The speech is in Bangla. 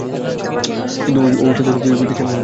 কিন্তু ও বিদেশে স্যাটেল হয়ে গেছে।